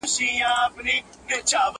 د احمق نوم يې پر ځان نه سو منلاى،